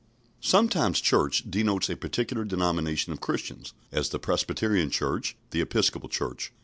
Sometimes "Church" denotes a particular denomination of Christians, as the Presbyterian Church, the Episcopal Church.